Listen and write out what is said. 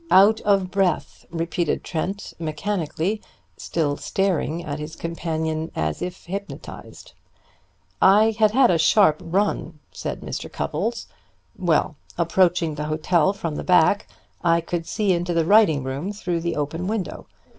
"Out of breath," repeated Trent mechanically, still staring at his companion as if hypnotized. "I had had a sharp run," said Mr. Cupples. "Well, approaching the hotel from the back I could see into the writing room through the open window.